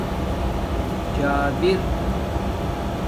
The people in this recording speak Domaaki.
جابِر